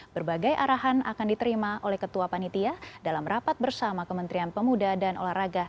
berbagai arahan akan diterima oleh ketua panitia dalam rapat bersama kementerian pemuda dan olahraga